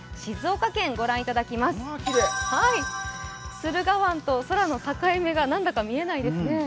駿河湾と空の境目が何だか見えないですね。